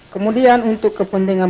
kemudian untuk kepentingan